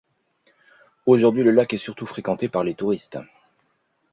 Aujourd'hui, le lac est surtout fréquenté par les touristes.